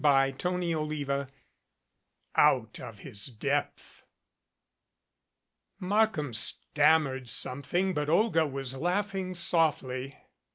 CHAPTER IX OUT OF HIS DEPTH MARKHAM stammered something, but Olga was laughing softly.